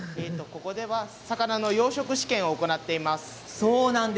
ここでは魚の養殖試験を行っています。